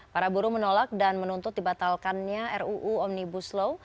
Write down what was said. para buruh menolak dan menuntut dibatalkannya ruu omnibus law